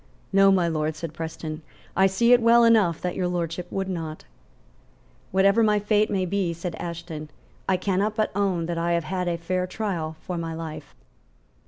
"No, my Lord;" said Preston; "I see it well enough that Your Lordship would not." "Whatever my fate may be," said Ashton, "I cannot but own that I have had a fair trial for my life."